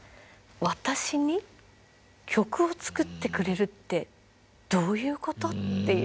私に曲を作ってくれるってどういうこと？っていう。